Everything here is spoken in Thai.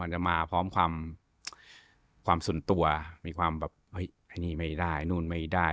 มันจะมาพร้อมความส่วนตัวมีความแบบอันนี้ไม่ได้นู่นไม่ได้